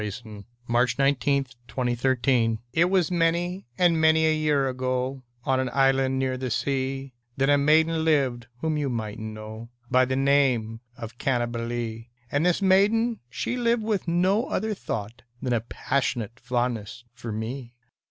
V^ Unknown, } 632 Parody A POE 'EM OF PASSION It was many and many a year ago, On an island near the sea, That a maiden lived whom you migbtnH know By the name of Cannibalee; And this maiden she lived with no other thought Than a passionate fondness for me.